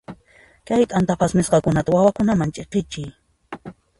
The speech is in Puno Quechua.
Kay t'antakuna phasmisqata wawakunaman ch'iqichiy.